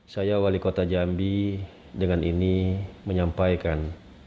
saya walekota jambi dengan ini menyampaikan